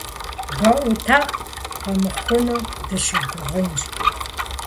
БэӀутӀэӀу къэмыхъуным дыщыгугъынщ.